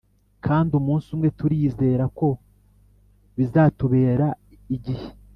kandi umunsi umwe turizera ko bizatubera igihe!